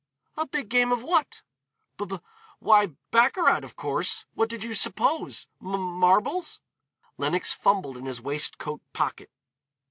"A big game of what?" "B b, why baccarat of course. What did you suppose? M marbles?" Lenox fumbled in his waistcoat pocket.